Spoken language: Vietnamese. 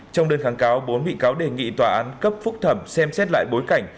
trong đơn kháng cáo bốn bị cáo đề nghị tòa án cấp phúc thẩm xem xét lại bối cảnh